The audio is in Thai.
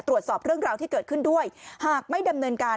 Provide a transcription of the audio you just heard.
ตรวจสอบเรื่องราวที่เกิดขึ้นด้วยหากไม่ดำเนินการ